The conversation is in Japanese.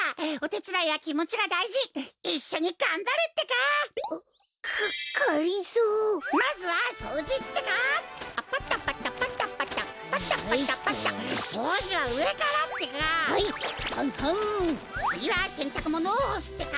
つぎはせんたくものをほすってか！